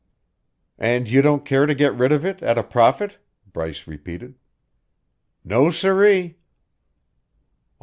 "And you don't care to get rid of it at a profit?" Bryce repeated. "No, sirree!"